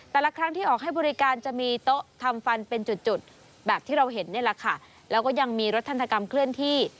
แต่ละครั้งที่ออกให้บริการจะมีโต๊ะทำฟันเป็นจุดจุดแบบที่เราเห็นนี่แหละค่ะแล้วก็ยังมีรถทันกรรมเคลื่อนที่